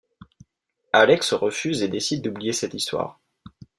Alex refuse et décide d'oublier cette histoire.